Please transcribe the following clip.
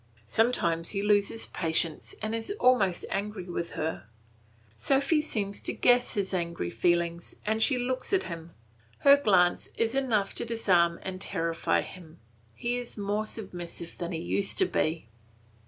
Sometimes he loses patience and is almost angry with her. Sophy seems to guess his angry feelings and she looks at him. Her glance is enough to disarm and terrify him; he is more submissive than he used to be.